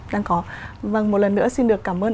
đang có vâng một lần nữa xin được cảm ơn